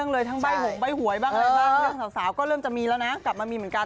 สวัสดีค่ะสวัสดีค่ะ